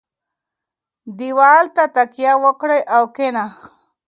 دېوال ته تکیه وکړه او کښېنه.